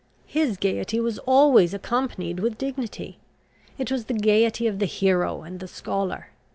His gaiety was always accompanied with dignity. It was the gaiety of the hero and the scholar.